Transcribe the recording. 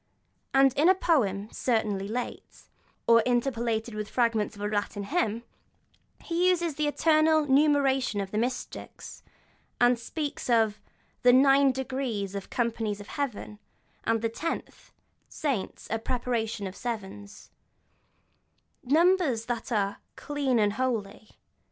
And, in a poem certainly late, or interpolated with fragments of a Latin hymn, he uses the eternal numeration of the mystics, and speaks of 'the nine degrees of the companies of heaven, and the tenth, saints a preparation of sevens'; numbers that are 'clean and holy.'